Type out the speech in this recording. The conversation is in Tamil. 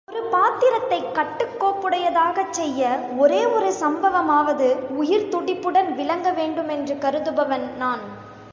ஒரு பாத்திரத்தைக் கட்டுக் கோப்புடையதாகச் செய்ய ஒரே ஒரு சம்பவமாவது உயிர்த்துடிப்புடன் விளங்கவேண்டுமென்று கருதுபவன் நான்.